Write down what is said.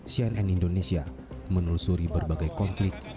sien and indonesia menelusuri berbagai konflik